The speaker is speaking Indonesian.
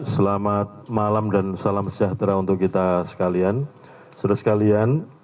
selamat malam dan salam sejahtera untuk kita sekalian